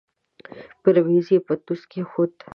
پر مېز يې پتنوس کېښود.